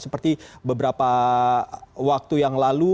seperti beberapa waktu yang lalu